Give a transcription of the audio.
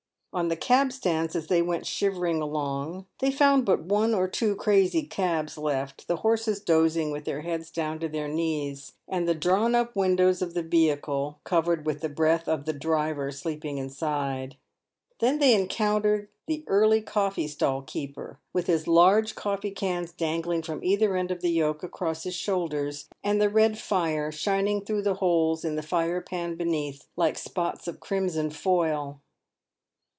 On the cab stands, as they went shivering along, they found but one or two crazy cabs left — the horses dozing, with their heads down to their knees, and the drawn up windows of the vehicle covered with the breath of the driver sleeping inside. Then they encountered the early coffee stall keeper, with his large coffee cans dangling from either end of the yoke across his shoulders, and the red fire shining through the holes in the fire pan beneath, like spots of crimson foil.